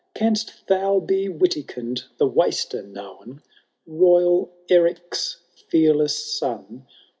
Cans't thou be Witikind the Waster known. Royal Eric's fearless son.